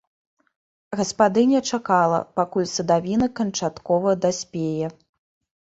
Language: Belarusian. Гаспадыня чакала, пакуль садавіна канчаткова даспее.